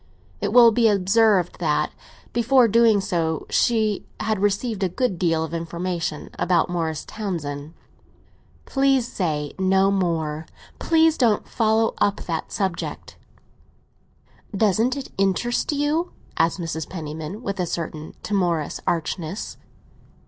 It will be observed that before doing so she had received a good deal of information about Morris Townsend. "Please say no more; please don't follow up that subject." "Doesn't it interest you?" asked Mrs. Penniman, with a certain timorous archness.